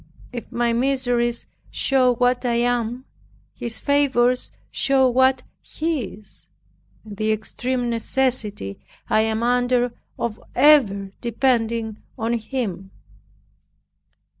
If my miseries show what I am, His favors show what He is, and the extreme necessity I am under of ever depending on Him.